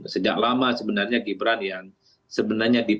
sejak lama sebenarnya gibran yang sebenarnya di